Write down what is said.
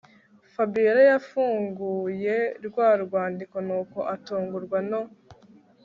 Fabiora yafunguye rwarwandiko nuko atungurwa no